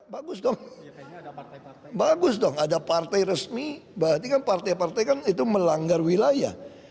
bagus dong bagus dong ada partai resmi berarti kan partai partai kan itu melanggar wilayah